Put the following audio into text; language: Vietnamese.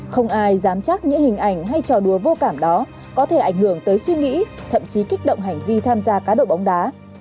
không ai dám chắc những hình ảnh hay trò đùa vô cảm đó có thể ảnh hưởng tới suy nghĩ thậm chí kích động hành vi tham gia cá độ bóng đá